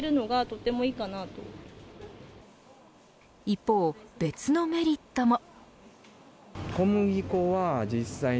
一方、別のメリットも。